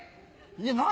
何？